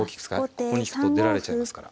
ここに引くと出られちゃいますから。